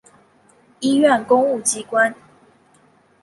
医院公务机关